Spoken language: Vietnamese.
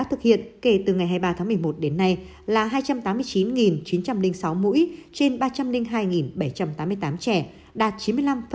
thực hiện kể từ ngày hai mươi ba tháng một mươi một đến nay là hai trăm tám mươi chín chín trăm linh sáu mũi trên ba trăm linh hai bảy trăm tám mươi tám mũi